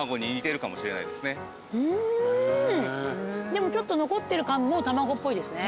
でもちょっと残ってる感も卵っぽいですね。